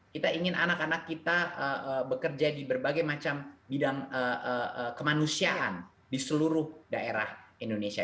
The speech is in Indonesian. kita ingin anak anak kita bekerja di berbagai macam bidang kemanusiaan di seluruh daerah indonesia